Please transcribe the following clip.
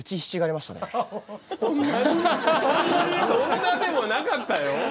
そんなでもなかったよ？